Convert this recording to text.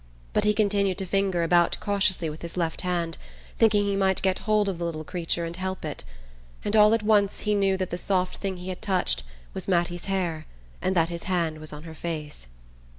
But he continued to finger about cautiously with his left hand, thinking he might get hold of the little creature and help it; and all at once he knew that the soft thing he had touched was Mattie's hair and that his hand was on her face.